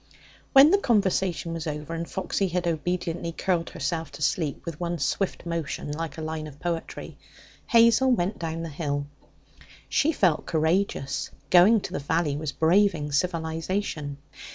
When the conversation was over, and Foxy had obediently curled herself to sleep with one swift motion like a line of poetry, Hazel went down the hill. She felt courageous; going to the valley was braving civilization.